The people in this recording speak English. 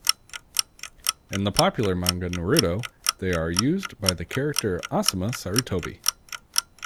In the popular manga Naruto, they are used by the character Asuma Sarutobi.